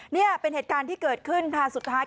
นี่เป็นเหตุการณ์ที่เกิดขึ้นค่ะสุดท้าย